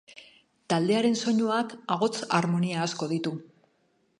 Taldearen soinuak ahots armonia asko ditu.